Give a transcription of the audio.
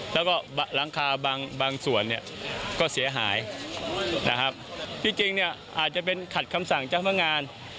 แล้วก็หลังคาบางส่วนเนี่ยก็เสียหายนะครับที่จริงเนี่ยอาจจะเป็นขัดคำสั่งเจ้าพนักงาน